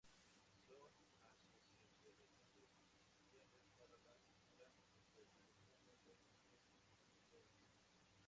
Son asociaciones muy especiales para la cultura Teotihuacana ya que fue principalmente agrícola.